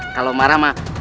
kalau marah mah